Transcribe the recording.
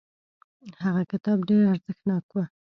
هغه کتاب ډیر ارزښتناک و.